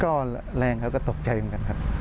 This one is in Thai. ก็แรงครับก็ตกใจเหมือนกันครับ